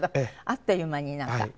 あっという間になんか。